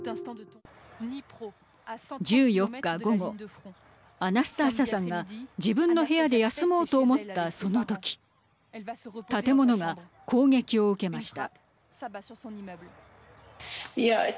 １４日午後アナスターシャさんが自分の部屋で休もうと思ったその時建物が攻撃を受けました。